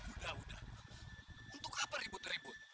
udah udah untuk apa ribut ribut